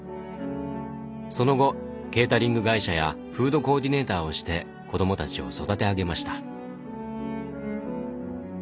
その後ケータリング会社やフードコーディネーターをして子どもたちを育て上げました。